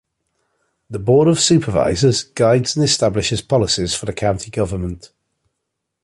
The Board of Supervisors guides and establishes policies for the county government.